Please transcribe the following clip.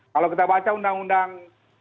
kalau kita baca undang undang